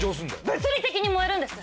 物理的に燃えるんです！